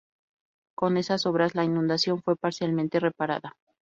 Con esas obras la inundación fue parcialmente reparada.